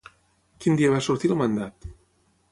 Quin dia va sortir el mandat?